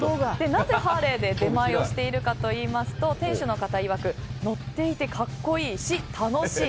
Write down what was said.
なぜハーレーで出前をしているかといいますと店主の方いわく乗っていて格好いいし楽しい。